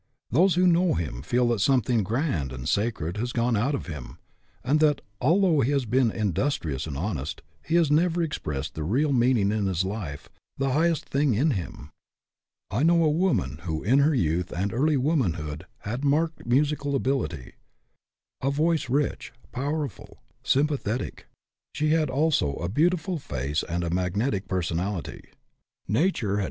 Those who know him feel that something grand and sacred has gone out of him, and that, although he has been in dustrious and honest, he has never expressed the real meaning of his life, the highest thing in him. I know a woman who in her youth and early womanhood had marked musical ability FREEDOM AT ANY COST 47 a voice rich, powerful, sympathetic. She had also a beautiful face and a magnetic per sonality. Nature had .